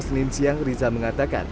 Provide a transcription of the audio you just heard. senin siang riza mengatakan